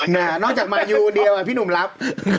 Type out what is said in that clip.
น่าจะมายูอันเดียวพี่หนุ่มรับ